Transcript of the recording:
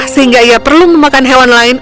sehingga ia perlu memakan hewan lain